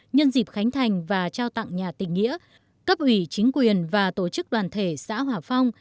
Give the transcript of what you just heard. nhân dịp khánh thành và trao tặng nhà tình nghĩa cấp ủy chính quyền và tổ chức đoàn thể xã hòa phong